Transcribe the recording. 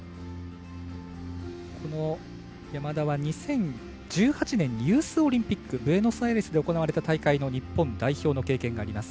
この山田は２０１８年にユースオリンピックブエノスアイレスで行われた大会での日本代表の経験があります。